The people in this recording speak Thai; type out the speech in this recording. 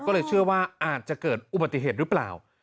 ก็เลยเชื่อว่าอาจจะเกิดอุบัติเหตุหรือเปล่า